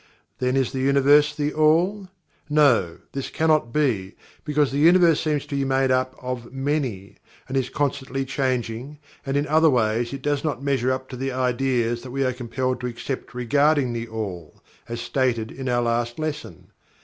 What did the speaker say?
Then is the Universe THE ALL? No, this cannot be, because the Universe seems to be made up of MANY, and is constantly changing, and in other ways it does not measure up to the ideas that we are compelled to accept regarding THE ALL, as stated in our last lesson.